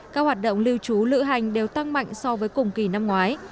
các hoạt động lưu trú lữ hành đều tăng mạnh so với cùng kỳ năm ngoái